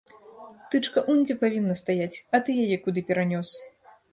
Тычка унь дзе павінна стаяць, а ты яе куды перанёс?!